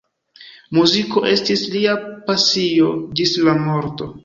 Muziko estis lia pasio ĝis la morto.